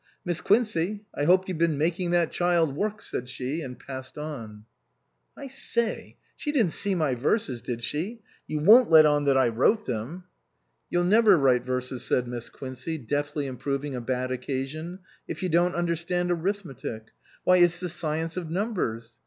" Miss Quincey, I hope you've been making that child work," said she and passed on. " I say ! She didn't see my verses, did she ? You won't let on that I wrote them?" " You'll never write verses," said Miss Quincey, deftly improving a bad occasion, "if you don't understand arithmetic. Why, it's the science of numbers.